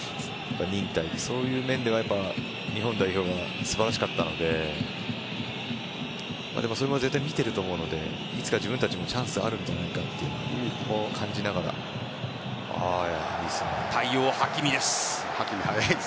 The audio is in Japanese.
そういう面では日本代表が素晴らしかったのでそれも絶対見てると思うのでいつか自分たちもチャンスがあるんじゃないかというのは対応、ハキミでした。